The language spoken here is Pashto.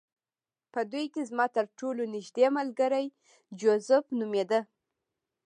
په دوی کې زما ترټولو نږدې ملګری جوزف نومېده